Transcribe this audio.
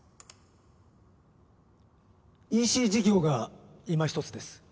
ＥＣ事業がいまひとつです